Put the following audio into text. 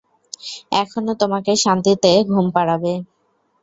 এখন ও তোমাকে শান্তিতে ঘুম পাড়াবে।